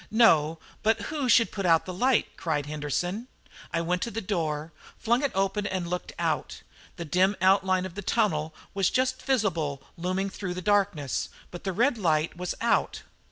"No; but who should put out the light?" cried Henderson. I went to the door, flung it open, and looked out. The dim outline of the tunnel was just visible looming through the darkness, but the red light was out.